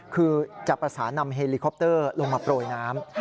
คือจะประสานนำเฮลิคอปเตอร์ลงมาโปรยน้ำ